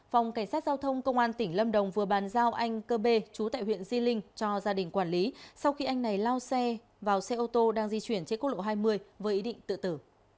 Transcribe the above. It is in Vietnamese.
phòng cảnh sát giao thông công an tỉnh lâm đồng vừa bàn giao anh cơ bê chú tại huyện di linh cho gia đình quản lý sau khi anh này lao xe vào xe ô tô đang di chuyển trên quốc lộ hai mươi với ý định tự tử